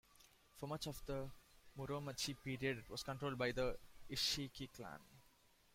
For much of the Muromachi period it was controlled by the Isshiki clan.